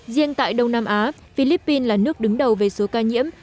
riêng tại đông nam á philippines là nước đứng đầu về số ca nhiễm